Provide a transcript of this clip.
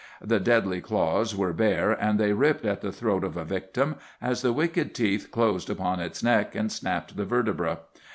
The deadly claws were bare, and they ripped at the throat of a victim as the wicked teeth closed upon its neck and snapped the vertebrae.